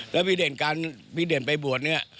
แล้วพี่เด่นการพี่เด่นไปบวชเนี่ย